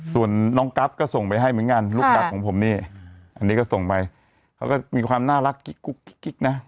คุณน้องกรัฟก็ส่งไปให้เหมือนกันดรูปดักของผมเนี่ยอันนี้ลงไปแล้วก็มีความน่ารักชิดนะ